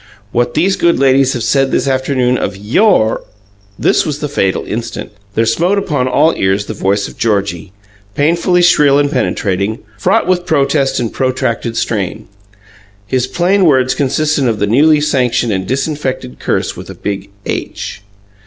What these good ladies have said this afternoon of YOUR " This was the fatal instant. There smote upon all ears the voice of Georgie, painfully shrill and penetrating fraught with protest and protracted, strain. His plain words consisted of the newly sanctioned and disinfected curse with a big H.